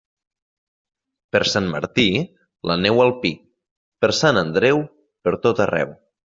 Per Sant Martí, la neu al pi; per Sant Andreu, pertot arreu.